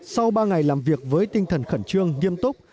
sau ba ngày làm việc với tinh thần khẩn trương nghiêm túc